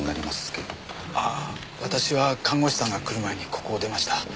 ああ私は看護師さんが来る前にここを出ました。